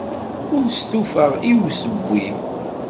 Ur stufaɣ i usewwi.